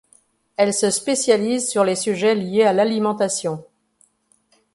Elle se spécialise sur les sujets liés à l'alimentation.